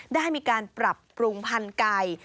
ได้มีการปรับปรุงพันธุ์ไก่